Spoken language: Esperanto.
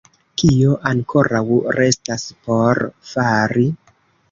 Kio ankoraŭ restas por fari?